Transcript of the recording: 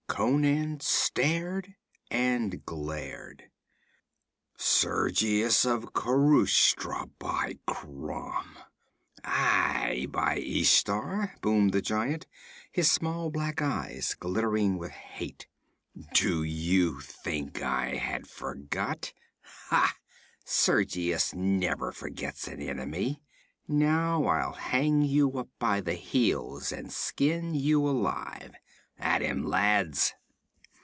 Conan stared and glared. 'Sergius of Khrosha, by Crom!' 'Aye, by Ishtar!' boomed the giant, his small black eyes glittering with hate. 'Did you think I had forgot? Ha! Sergius never forgets an enemy. Now I'll hang you up by the heels and skin you alive. At him, lads!'